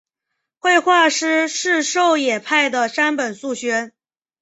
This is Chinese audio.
绘画师事狩野派的山本素轩。